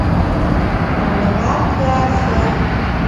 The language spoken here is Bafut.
O lɔ̀ɔ̀ aa àkə̀ aa ɛ?